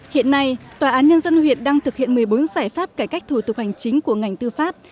hiện nay tòa án nhân dân huyện đang thực hiện một mươi bốn giải pháp cải cách thủ tục hành chính của ngành tư pháp